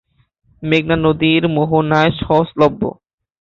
মেঘনা নদীর মোহনায় সহজলভ্য।